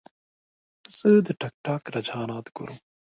زه د ټک ټاک رجحانات ګورم.